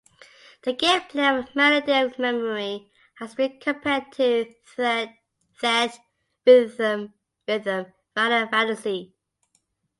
The gameplay of "Melody of Memory" has been compared to "Theatrhythm Final Fantasy".